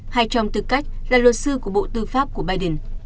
hay trong tư cách là luật sư của bộ tư pháp của biden